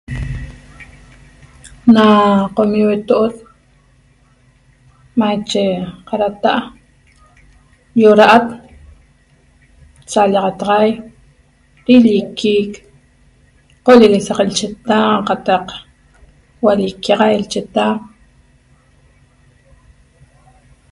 Na qomi' hueto'ot maiche qarata’a iora’at: sallaxataxai, rilliquic, qolleguesaq lcheta qataq hualliquiaxai cheta.